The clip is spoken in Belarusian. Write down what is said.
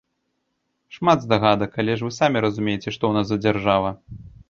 Шмат здагадак, але ж вы самі разумееце, што ў нас за дзяржава.